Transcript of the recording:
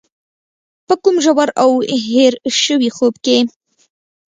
په کوم ژور او هېر شوي خوب کې.